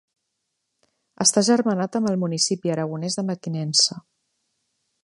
Està agermanat amb el municipi aragonès de Mequinensa.